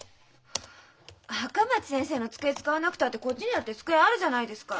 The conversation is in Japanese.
赤松先生の机使わなくたってこっちにだって机あるじゃないですか。